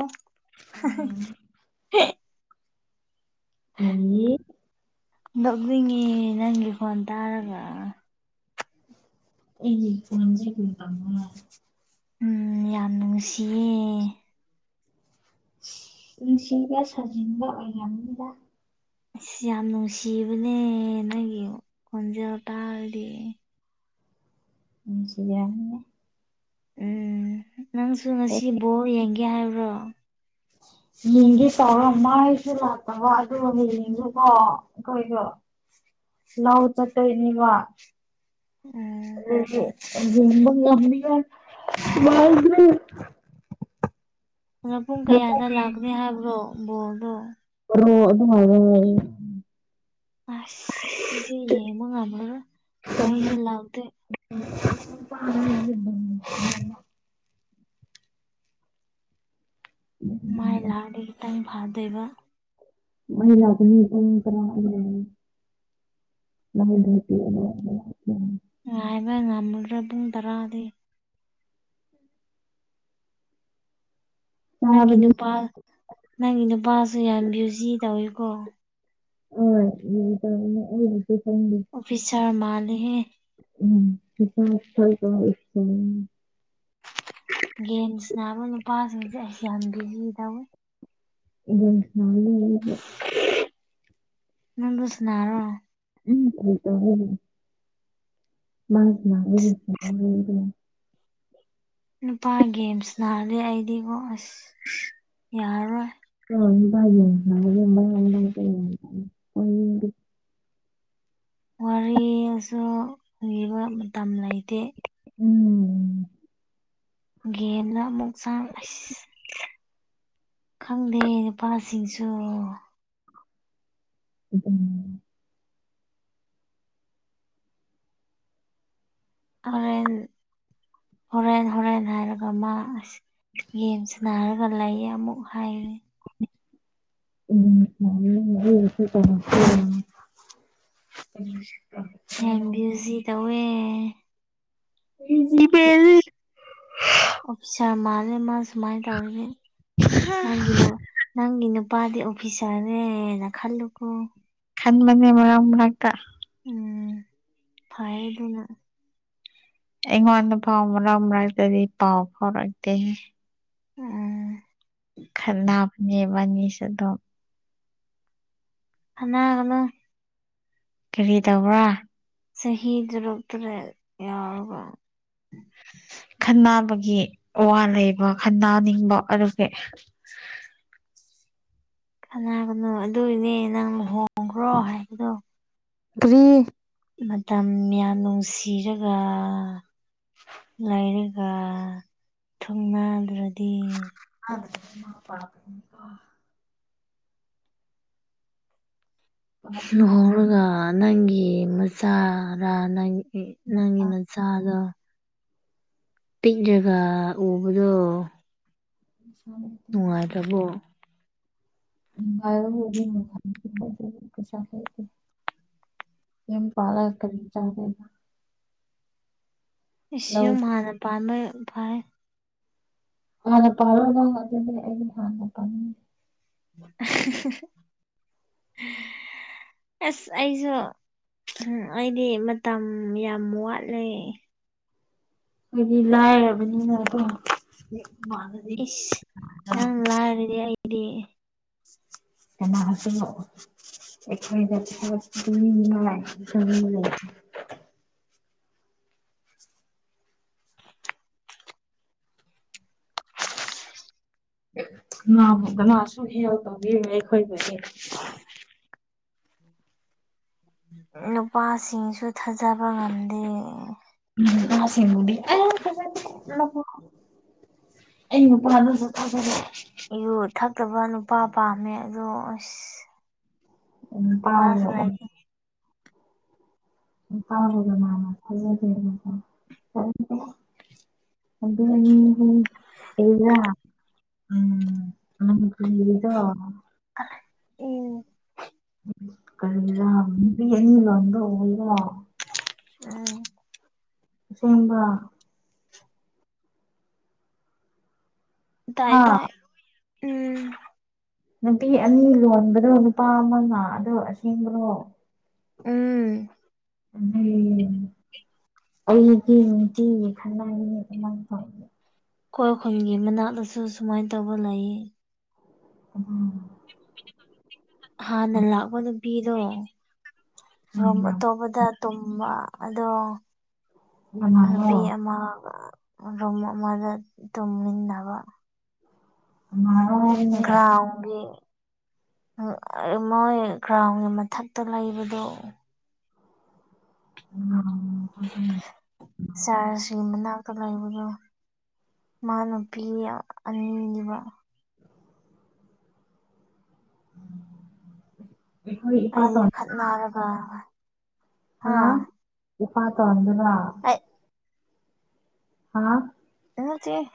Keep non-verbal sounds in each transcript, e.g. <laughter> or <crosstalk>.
<unintelligible> ꯀꯔꯤ ꯀꯅꯤ ꯅꯣꯛꯅꯤꯡꯉꯤ ꯅꯪꯒꯤ ꯐꯣꯟ ꯇꯥꯔꯒ ꯑꯩ ꯅꯟ ꯀ ꯇꯃꯅ ꯎꯝ ꯌꯥꯝ ꯅꯨꯡꯁꯤꯌꯦ ꯅꯨꯡꯁꯤꯕ ꯁꯥꯖꯤꯟꯕ ꯑꯣꯏꯔꯝꯅꯤꯗ ꯑ ꯌꯥꯝ ꯅꯨꯡꯁꯤꯕꯅꯦ ꯅꯪꯒꯤ ꯈꯣꯟꯖꯦꯜ ꯇꯥꯔꯗꯤ ꯁꯤꯅꯦ ꯎꯝ ꯅꯪꯁꯨ ꯍꯦꯛ ꯉꯁꯤ ꯍꯦꯛ ꯕꯣꯔ ꯌꯦꯡꯒꯦ ꯍꯥꯏꯕ꯭ꯔꯣ ꯌꯦꯡꯗꯤ ꯇꯧꯔ ꯃꯥꯏꯁꯨ ꯂꯥꯛꯇꯕ ꯑꯗꯨꯒꯅꯦꯌꯦꯡꯗꯨꯀꯣ ꯀꯩꯒ ꯂꯎ ꯆꯠꯇꯣꯏꯅꯤ ꯋꯥ ꯎꯝ ꯑꯣꯝꯕ ꯉꯃ ꯃꯥ ꯄꯨꯡ ꯀꯌꯥꯗ ꯂꯥꯛꯀꯅꯤ ꯍꯥꯏꯕ꯭ꯔꯣ ꯕꯣꯔꯗꯣ ꯣ ꯑꯗꯨ ꯑꯗꯨꯃꯅ ꯑꯁ ꯑꯗꯨꯗꯤ ꯌꯦꯃ ꯉꯅ ꯃꯥꯥꯏꯁꯨ ꯂꯥꯎꯗ <unintelligible> ꯃꯥꯏ ꯂꯥꯔ ꯇꯥꯏ ꯐꯥꯗꯦꯕ ꯃꯅꯥ ꯑꯗꯨ ꯃꯤꯔ ꯅ ꯦꯇ ꯌꯥꯕ ꯉꯝꯕꯔꯕ ꯇꯔꯗꯤꯦ ꯅꯪꯒꯤ ꯆꯥꯕꯗꯤ ꯅꯨꯄꯥ ꯅꯪꯒꯤ ꯅꯨꯄꯥꯁꯨ ꯌꯥꯝ ꯕ꯭ꯌꯨꯖꯤ ꯇꯧꯋꯤꯀꯣ ꯍ ꯑꯣꯏꯁꯨ ꯊꯪ ꯑꯣꯐꯤꯁꯔ ꯃꯥꯅꯦ ꯎꯝ ꯒꯦꯝꯁ ꯅꯥꯕ ꯅꯨꯄꯥꯁꯤꯡꯁꯦ ꯑꯩꯁꯨ ꯌꯥꯝ ꯕꯤꯖꯤ ꯇꯧꯋꯦ ꯏꯁꯦ ꯅꯪꯗꯁꯅꯔꯣ ꯎꯝ ꯎꯝ ꯎꯝ ꯃꯥ ꯃꯥꯅ ꯅꯨꯄꯥ ꯒꯦꯝꯁ ꯅꯥꯂꯦ ꯑꯩꯗꯤꯀꯣ ꯑꯁ ꯌꯥꯔꯣꯏ ꯍ ꯀ ꯋꯥꯔꯤꯁꯨ ꯎꯕ ꯃꯇꯝ ꯂꯩꯇꯦ ꯎꯝ ꯒꯦꯝꯗ ꯑꯃꯨꯛ ꯆꯥꯡꯂꯁ ꯈꯪꯗꯦ ꯅꯨꯄꯥꯁꯤꯡꯁꯨ ꯎꯝ ꯍꯣꯔꯦꯟ ꯍꯣꯔꯦꯟ ꯍꯣꯔꯦꯟ ꯍꯥꯏꯔꯒ ꯃꯥ ꯌꯦꯦꯝ ꯁꯟꯅꯔꯒ ꯂꯩ ꯑꯃꯨꯛ ꯍꯥꯏꯔꯦ ꯎꯝꯔ ꯌꯥꯝ ꯕ꯭ꯌꯨꯖꯤ ꯇꯧꯋꯦ ꯄ ꯑꯣꯐꯤꯁꯥ ꯃꯥꯜꯅꯦꯦ ꯃꯥ ꯁꯨꯃꯥꯏꯅ ꯇꯧꯔꯦ ꯅꯪꯒꯤꯅ ꯅꯪꯒꯤꯅ ꯅꯨꯄꯥꯗꯤ ꯑꯣꯐꯤꯁꯥꯔꯅꯦꯅ ꯈꯜꯂꯨꯀꯣ ꯈꯟꯕꯅꯦ ꯃꯔꯥꯡ ꯃꯔꯅꯥꯛꯇ ꯎꯝ ꯐ ꯑꯗꯨꯅ ꯑꯩꯉꯣꯟꯗ ꯄꯥꯎ ꯃꯔꯛ ꯃꯔꯛꯇꯗꯤ ꯄꯥꯎ ꯐꯥꯎꯔꯛꯇꯦ ꯎꯝ ꯈꯟ ꯐꯅꯦꯕꯅꯤꯁ ꯑꯗꯨꯝ ꯑꯅꯥ ꯍꯅꯣ ꯀꯔꯤ ꯇꯧꯕ꯭ꯔꯥ ꯆꯍꯤ ꯗꯔꯛꯇꯔꯦ ꯌꯥꯎꯕ ꯈꯟꯅꯕꯒꯤ ꯋꯥ ꯂꯩꯕ ꯈꯟꯅꯟꯅꯅꯤꯡꯕ ꯑꯗꯨꯒꯒꯤ ꯀꯅꯥꯒꯅꯣ ꯑꯗꯨꯏꯅꯦ ꯅꯪ ꯂꯨꯍꯣꯡꯈ꯭ꯔꯣ ꯍꯥꯏꯕꯗꯣ ꯭ꯔꯤ ꯃꯇꯝ ꯌꯥꯝ ꯅꯨꯡꯁꯤꯔꯒ ꯂꯩꯔ ꯊꯨꯡꯅꯥꯜꯂ꯭ꯔꯗꯤ ꯑꯃ ꯄꯄ ꯂꯨꯍꯣꯡꯧꯔꯒ ꯅꯪꯒꯤ ꯃꯆꯥꯔꯥ ꯅꯪ ꯅꯪꯒꯤ ꯅꯆꯥꯥꯗꯣ ꯇꯤꯟ ꯖꯒꯥ ꯎꯕꯗꯣ <unintelligible> ꯅꯨꯡꯉꯥꯏꯇꯔꯥꯕꯣ <unintelligible> ꯌꯦ ꯄꯥꯂ ꯀꯔꯤ ꯆꯗꯅ ꯑꯁ ꯂꯧ ꯌꯨꯝ ꯍꯥꯟꯅ ꯄꯥꯟꯕ ꯐꯩꯌꯦ ꯍꯥꯟꯅ ꯄꯥꯜꯔꯣꯏ ꯅꯉꯖꯅꯦ ꯑꯩꯗꯤ ꯍꯥꯟꯅ ꯄꯥꯉ <unintelligible> ꯑꯁ ꯑꯩꯁꯨ ꯑꯩꯗꯤ ꯃꯇꯝ ꯌꯥꯝ ꯋꯥꯠꯂꯦ ꯑꯩꯗꯤ ꯂꯥꯏꯔꯕꯅꯤꯅ ꯀꯣ ꯏꯁ ꯅꯪ ꯂꯥꯏꯔꯔꯦ ꯍꯥꯏꯗꯤ ꯀꯥꯟꯅꯥ ꯇꯩꯅꯣ ꯑꯩꯈꯣꯏ <unintelligible> <unintelligible> ꯀꯅꯥꯁꯨ ꯍꯦꯜꯞ ꯇꯧꯕꯤꯔꯦꯏ ꯑꯩꯈꯣꯏꯒꯤꯗꯤ <unintelligible> ꯅꯨꯄꯥꯁꯤꯡꯁꯨ ꯊꯥꯖꯕ ꯉꯝꯗꯦ ꯎꯝ <unintelligible> ꯑꯩ ꯅꯨꯄꯥꯗꯨꯁꯨ ꯊꯖꯥꯗꯦ ꯌꯨ ꯊꯛꯇꯕ ꯅꯨꯄꯥ ꯄꯥꯝꯃꯦ ꯑꯗꯣ ꯑꯁ ꯎꯝ ꯅꯨꯄꯥꯁꯨ ꯇꯥꯕꯔꯣ ꯂꯩꯇꯦ ꯀꯥꯕꯒ ꯃꯥꯅ ꯐꯖ ꯑꯗꯨꯗ ꯍ ꯑꯦꯌꯥ ꯎꯝ ꯅꯪꯗ <unintelligible> ꯎꯝ ꯀꯔꯤꯔ ꯅꯨꯄꯤ ꯑꯅꯤ ꯂꯣꯟꯕ ꯎꯕꯔꯥ ꯎꯝ ꯑꯁꯦꯡꯕ ꯇꯥꯏ ꯍꯥ ꯇꯥꯏ ꯎꯝ ꯅꯨꯄꯤ ꯑꯅꯤ ꯂꯣꯟꯕꯗꯣ ꯅꯨꯄꯥ ꯑꯃꯅ ꯑꯗꯣ ꯑꯁꯦꯡꯕꯔꯣ ꯎꯝ ꯑꯗꯒꯤ ꯑꯩꯒꯤ ꯅꯨꯡꯇꯤꯒꯤ ꯈꯅꯥꯒꯤ ꯑꯗꯨꯃꯥꯏꯅ ꯇꯧꯋ ꯑꯩꯈꯣꯏ ꯈꯨꯜꯒꯤ ꯃꯅꯥꯛꯇꯁꯨ ꯁꯨꯃꯥꯏꯅ ꯇꯧꯕ ꯂꯩꯌꯦ ꯎꯝ ꯍꯥꯟꯅ ꯂꯥꯛꯄ ꯅꯨꯄꯤꯗꯣ ꯑꯥꯃꯨꯛ ꯀꯅꯥꯅꯣ ꯑꯇꯣꯞꯄꯗ ꯇꯨꯝꯕ ꯑꯗꯣ ꯅꯨꯄꯤ ꯑꯃ ꯔꯨꯝ ꯑꯃꯗ ꯇꯨꯝꯃꯤꯟꯅꯕ ꯃꯥ ꯒ꯭ꯔꯥꯎ ꯃꯣꯏ ꯒ꯭ꯔꯥꯎꯟ ꯃꯊꯛꯇ ꯂꯩꯕꯗꯣ ꯎꯝ ꯆꯔꯀꯤ ꯃꯅꯥꯛꯇ ꯂꯩꯕꯗꯣ ꯃꯥ ꯅꯨꯄꯤ ꯑꯅꯤꯅꯦꯕꯥ ꯑꯩꯈꯣꯏ ꯑꯩ ꯏꯄꯥꯇꯣꯟ ꯈꯠꯅꯔꯕ ꯍꯥ ꯅꯨꯄꯥ ꯑꯇꯣꯝꯕꯗꯣ ꯑꯩ ꯍꯥ ꯏꯠꯅꯥꯗꯦ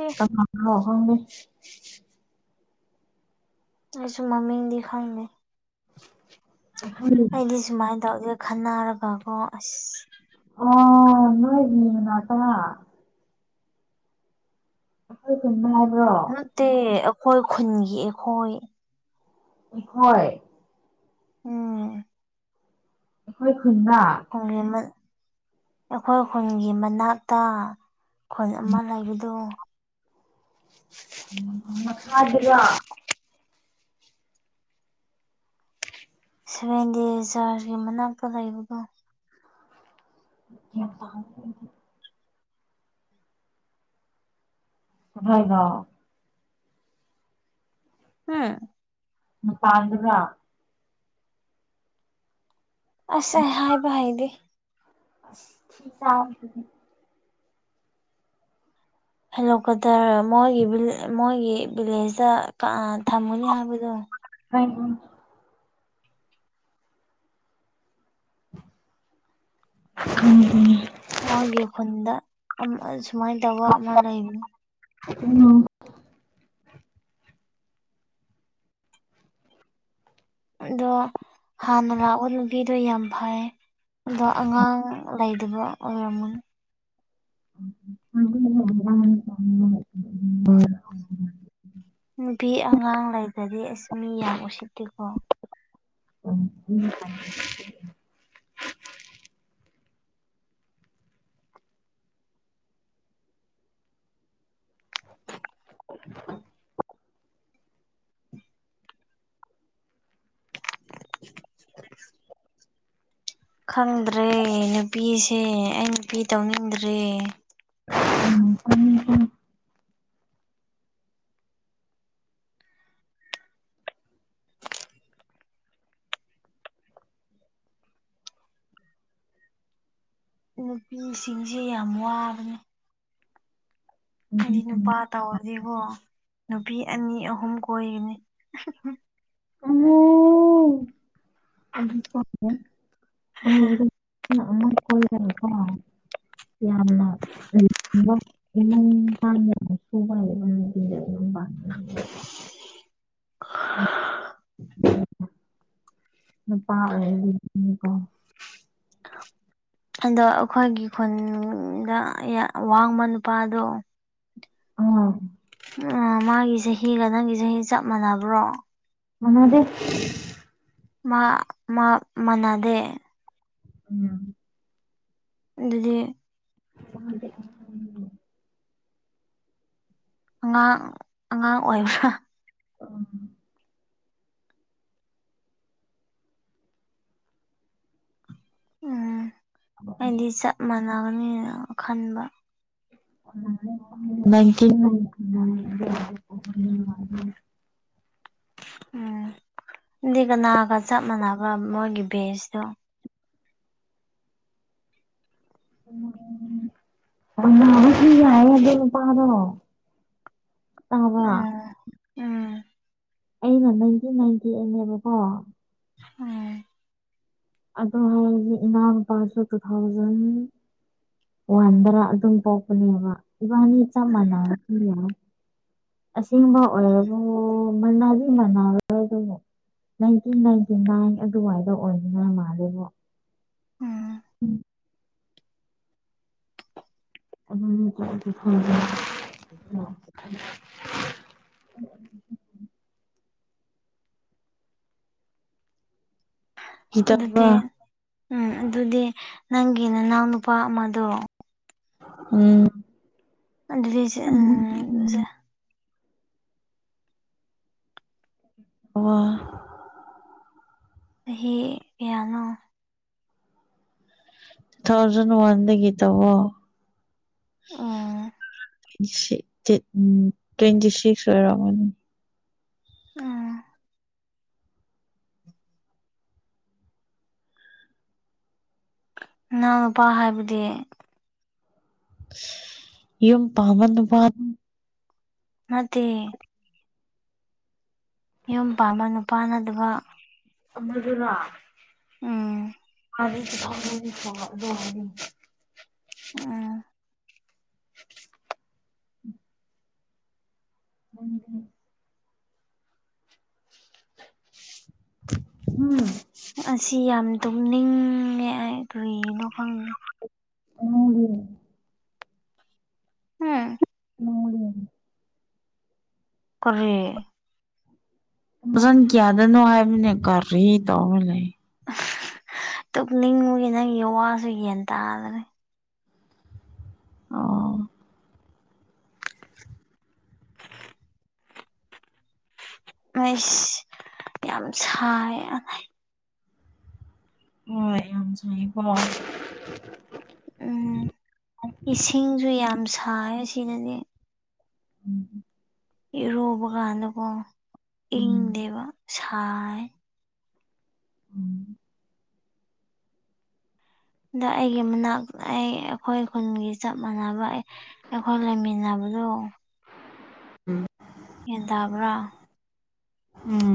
<unintelligible> ꯑꯩꯁꯨ ꯃꯃꯤꯡꯗꯤ ꯈꯪꯉꯦ ꯑꯍꯣꯏ ꯑꯩꯗꯤ ꯁꯨꯃꯥꯏꯅ ꯇꯧꯗꯦ ꯈꯟꯅꯔꯒꯀꯣ ꯑꯁ ꯑꯣ ꯅꯣꯏꯗꯅꯤ ꯅꯅꯥꯛꯇꯔ ꯅꯣꯏꯒꯤꯅꯦ ꯍꯥꯏꯕꯔꯣ ꯅꯠꯇꯦ ꯑꯩꯈꯣꯏ ꯈꯨꯟꯒꯤ ꯑꯩꯈꯣꯏ ꯑꯩꯈꯣꯏ ꯎꯝ ꯑꯩꯈꯣꯏ ꯈꯨꯟꯗꯥꯥ <unintelligible> ꯑꯩꯈꯣꯏ ꯈꯨꯟꯒꯤ ꯃꯅꯥꯛꯇ ꯈꯨꯟ ꯑꯃ ꯂꯩꯕꯗꯨ ꯃꯈꯥꯗꯨꯔꯣ ꯁꯚꯦꯟꯇꯦꯖ ꯆꯔꯖꯒꯤ ꯃꯅꯥꯛꯇ ꯂꯩꯕꯗꯣ <unintelligible> <unintelligible> ꯍꯨꯝ ꯅꯨꯄꯥꯥꯗꯨꯔꯥ ꯑꯁ ꯑꯩ ꯍꯥꯏꯕ ꯍꯩꯗꯦ <unintelligible> ꯍꯜꯂꯛꯄꯗ ꯃꯣꯏꯒꯤ ꯚꯤꯂꯦ ꯃꯣꯏꯒꯤ ꯚꯤꯂꯦꯖꯇ ꯊꯝꯃꯨꯅꯤ ꯍꯥꯏꯕꯗꯣ <unintelligible> ꯎꯝ ꯎꯝ ꯃꯣꯏꯒꯤ ꯈꯨꯟꯗ ꯁꯨꯃꯥꯏꯅ ꯇꯧꯕ ꯑꯃ ꯂꯩꯕꯅꯤ ꯎ <unintelligible> ꯑꯗꯣ ꯍꯥꯟꯅ ꯂꯥꯛꯄ ꯅꯨꯒꯤꯗꯣ ꯌꯥꯝ ꯐꯩꯌꯦ ꯑꯗꯣ ꯑꯉꯥꯡ ꯂꯩꯗꯕ ꯑꯣꯏꯔꯝꯒꯅꯤ <unintelligible> ꯅꯨꯄꯤ ꯑꯉꯥꯡ ꯂꯩꯇꯗꯤ ꯑꯁ ꯃꯤ ꯌꯥꯝ ꯎꯁꯤꯠꯇꯦꯀꯣ ꯎ ꯎꯝ <unintelligible> ꯈꯪꯗ꯭ꯔꯦ ꯅꯨꯄꯤꯁꯦ ꯑꯩ ꯅꯨꯄꯤ ꯇꯧꯅꯤꯡꯗ꯭ꯔꯦ ꯎ ꯎ <unintelligible> ꯅꯨꯄꯤꯁꯤꯡꯁꯦ ꯌꯥꯝ ꯋꯥꯕꯅꯦ ꯑꯩꯗꯤ ꯅꯨꯄꯥ ꯇꯧꯔꯗꯤꯀꯣ ꯅꯨꯄꯤ ꯑꯅꯤ ꯑꯍꯨꯝ ꯀꯣꯏꯒꯅꯤ ꯑꯝꯃꯨ ꯑꯩꯗꯤ ꯀꯣꯏꯔꯣꯏ ꯑꯣꯏꯔꯗꯤ ꯑꯃꯥꯈꯛ ꯀꯣꯏꯒꯅꯤꯀꯣ ꯌꯥꯝꯅ ꯑꯩꯗꯤꯀꯣ ꯏꯃꯝ ꯄꯥꯟꯒꯗꯕ ꯅꯨꯄꯤ ꯑꯃꯥ ꯂꯧꯔꯒꯥ ꯌꯨꯝ ꯄꯥꯟꯒꯅꯤꯕꯥ ꯅꯨꯄꯥ ꯅꯨꯄꯥ ꯑꯣꯏꯔꯗꯤ ꯍꯥꯏꯕꯅꯤꯀꯣ ꯍꯟꯗꯛ ꯑꯩꯈꯣꯏꯒꯤ ꯈꯨꯟꯗ ꯌꯥꯝ ꯋꯥꯡꯕ ꯅꯨꯄꯥꯗꯣ ꯑꯥ ꯃꯥꯒꯤ ꯆꯍꯤꯒ ꯅꯪꯒꯤ ꯆꯍꯤꯒ ꯆꯞ ꯃꯥꯟꯅꯕ꯭ꯔꯣ ꯃꯥꯟꯅꯗꯦ ꯃꯥ ꯃꯥ ꯃꯅꯥꯗꯦ ꯎꯝ ꯑꯗꯨꯗꯤ <unintelligible> ꯑꯉꯥꯡ ꯑꯉꯥꯡ ꯑꯣꯏꯕ꯭ꯔ <inaudible> ꯎꯝ ꯑꯩꯗꯤ ꯆꯞ ꯃꯥꯟꯅꯒꯅꯤꯅ ꯈꯟꯕ <unintelligible> ꯎꯝ ꯑꯗꯨꯗꯤ ꯀꯅꯥꯒ ꯆꯞ ꯃꯥꯟꯅꯕ ꯃꯣꯏꯒꯤ ꯕꯦꯁꯇ‌ꯣ <unintelligible> ꯇꯥꯕ꯭ꯔꯥ ꯎꯝ ꯎꯝ ꯑꯩꯅ ꯅꯪꯗꯤ ꯅꯥꯟꯊ‌ꯦꯛ ꯑꯅꯦꯕꯀꯣ <unintelligible> ꯑꯗꯨ ꯍꯥꯏꯔꯗꯤ ꯏꯅꯥꯎꯅꯨꯄꯥꯁꯨ ꯇꯨ ꯊꯥꯎꯖꯟ ꯋꯥꯟꯗ꯭ꯔꯥ ꯑꯗꯨꯝ ꯄꯣꯛꯄꯅꯤꯕ ꯏꯕꯥꯅꯤ ꯑꯗꯨꯝ ꯆꯞ ꯃꯥꯟꯅꯔꯝꯕꯁꯨ ꯌꯥꯏ ꯑꯁꯦꯡꯕ ꯑꯣꯏꯔꯕꯨ ꯃꯅꯥꯗꯤ ꯃꯅꯥꯔ‌ꯣꯏ ꯑꯗꯨꯕꯨ ꯅꯥꯏꯟꯇꯤꯟ ꯅꯥꯏꯟꯇꯤ ꯅꯥꯏꯟ ꯑꯗꯨꯋꯥꯏꯗ ꯑꯣꯏꯒꯗꯧ ꯃꯥꯜꯂ‌ꯦꯕꯣ ꯎꯝ ꯍꯝ ꯑꯗꯨ <unintelligible> ꯑꯗꯨꯗꯤ ꯀꯤꯗꯕ꯭ꯔꯥ ꯎꯝ ꯑꯗꯨꯗꯤ ꯅꯪꯒꯤ ꯅꯅꯥꯎ ꯅꯨꯄꯥ ꯑꯃꯗꯣ ꯎꯝ ꯑꯗꯨꯗꯤ <unintelligible> ꯑꯣ ꯆꯍꯤ ꯀꯌꯥꯅꯣ ꯇꯨꯊꯥꯎꯖꯟ ꯋꯥꯟꯗꯒꯤ ꯇꯧꯌ‌ꯣ ꯑ‌ꯣ <unintelligible> ꯎꯝ ꯇ꯭ꯋꯦꯟꯇꯤ ꯁꯤꯛꯁ ꯑꯣꯏꯔꯝꯒꯅꯤ ꯑ‌ꯣ ꯏꯅꯥꯎ ꯅꯨꯄꯥ ꯍꯥꯏꯕꯗꯤ ꯌꯨꯝ ꯄꯥꯝꯕꯅꯨꯄꯥ ꯅꯠꯇ‌ꯦ ꯌꯨꯝ ꯄꯥꯟꯕ ꯅꯨꯄꯥ ꯅꯠꯇꯕ ꯑꯃꯗꯨꯔ‌ꯣ ꯎꯝ ꯃꯥꯗꯤ ꯇꯨ ꯊꯥꯎꯖꯟ <unintelligible> ꯑ‌ꯣ <unintelligible> ꯍꯝ ꯑꯁꯤ ꯌꯥꯝ ꯇꯨꯝꯅꯤꯡꯉꯦ ꯑꯩ ꯀ꯭ꯔꯤꯒꯤꯅꯣ ꯈꯪꯗꯦ <unintelligible> <unintelligible> ꯀꯔꯤ ꯐꯖꯟ ꯀꯌꯥꯗꯅꯣ ꯍꯥꯏꯕꯅꯦ ꯀꯔꯤ ꯇꯧꯔ ꯂꯩ ꯇꯨꯝꯅꯤꯡꯕꯒꯤ ꯅꯪꯒꯤ ꯋꯥꯁꯨ ꯒ꯭ꯌꯥꯟ ꯇꯥꯗꯔ‌ꯦ ꯑꯣ ꯑꯁ ꯌꯥꯝ ꯁꯥꯏꯌ‌ꯦ ꯍ‌ꯣꯏ ꯌꯥꯝ ꯁꯥꯏꯌ‌ꯦꯀ‌ꯣ ꯎꯝ ꯏꯁꯤꯡꯁꯨ ꯌꯥꯝ ꯁꯥꯏꯌ‌ꯦ ꯁꯤꯗꯗꯤ ꯎꯝ ꯏꯔꯨꯕ ꯀꯥꯟꯗꯀꯣ ꯎꯝ ꯏꯪꯗꯦꯕ ꯁꯥꯏꯌ‌ꯦ ꯎꯝ ꯑꯗ ꯑꯩꯒꯤ ꯃꯅꯥꯛꯇ ꯑꯩ ꯑꯩꯈꯣꯏ ꯈꯨꯟꯒꯤ ꯆꯞ ꯃꯥꯟꯅꯕ ꯑꯩ ꯑꯩꯈꯣꯏ ꯂꯩꯃꯤꯅꯕꯗꯣ ꯎꯝ ꯒ꯭ꯌꯥꯟ ꯇꯥꯕ꯭ꯔꯥ ꯎꯝ